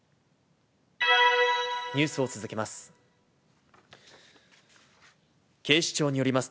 ニュースを続けます。